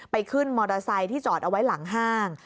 ขึ้นมอเตอร์ไซค์ที่จอดเอาไว้หลังห้าง